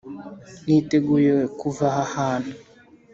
niteguye kuva aha hantu.